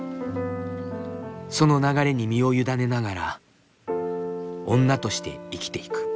その流れに身を委ねながら女として生きていく。